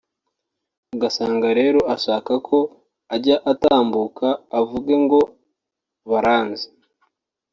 ugasanga rero ashaka ko ajya atambuka avuge ngo baranzi